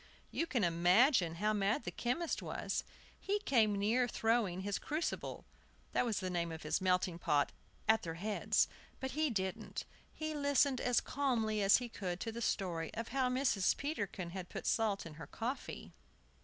You can imagine how mad the chemist was! He came near throwing his crucible that was the name of his melting pot at their heads. But he didn't. He listened as calmly as he could to the story of how Mrs. Peterkin had put salt in her coffee.